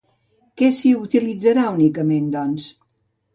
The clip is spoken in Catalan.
Què s'hi utilitzarà únicament, doncs?